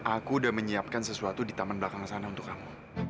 aku udah menyiapkan sesuatu di taman belakang sana untuk kamu